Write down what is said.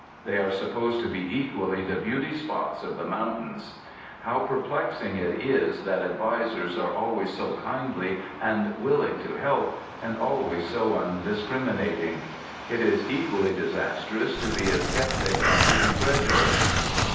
They are supposed to be equally the beauty spots of the mountains. How perplexing it is that advisers are always so kindly and willing to help, and always so undiscriminating. It is equally disastrous to be a sceptic and to be credulous.